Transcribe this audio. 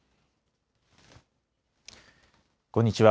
こんにちは。